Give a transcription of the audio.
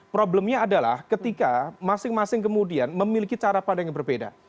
problemnya adalah ketika masing masing kemudian memiliki cara pandang yang berbeda